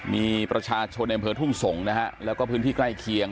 มีประชาชนในอำเภอทุ่งสงศ์นะฮะแล้วก็พื้นที่ใกล้เคียง